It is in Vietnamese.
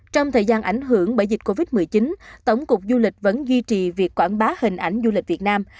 trong thời gian ảnh hưởng bởi dịch covid một mươi chín tổng cục du lịch vẫn duy trì việc quảng bá hình ảnh du lịch việt nam